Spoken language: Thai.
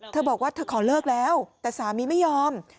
เธอบอกว่าเธอขอเลิกแล้วแต่สามีไม่ยอม